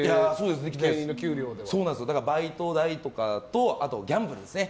バイト代とあとギャンブルですね。